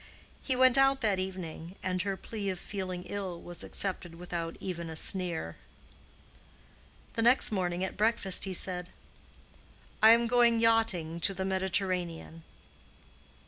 He went out that evening, and her plea of feeling ill was accepted without even a sneer. The next morning at breakfast he said, "I am going yachting to the Mediterranean."